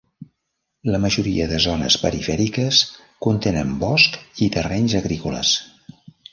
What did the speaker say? La majoria de zones perifèriques contenen bosc i terrenys agrícoles.